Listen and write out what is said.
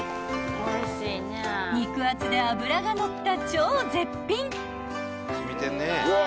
［肉厚で脂が乗った超絶品］